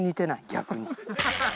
逆に。